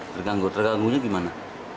terganggu terganggu nya gimana